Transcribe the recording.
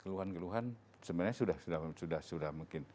keluhan keluhan sebenarnya sudah mungkin